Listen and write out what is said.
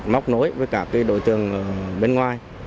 móc nối với cả các đối tượng bên ngoài